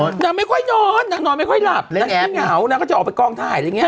นักไม่เหงานักก็จะออกไปกล้องถ่ายอะไรงี้